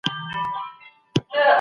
ميرويس خان نيکه په کوم ښار کي ستر سو؟